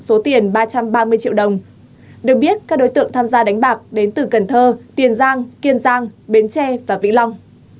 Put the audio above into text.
số tiền ba trăm ba mươi triệu đồng được biết các đối tượng tham gia đánh bạc đến từ cần thơ tiền giang kiên giang bến tre và vĩnh long